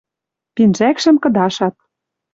Пинжӓкшӹм кыдашат